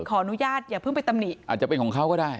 ขออนุญาตอย่าเพิ่งไปตำหนิอาจจะเป็นของเขาก็ได้